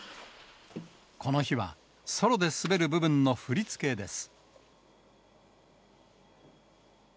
この日はソロで滑る部分の振り付けです。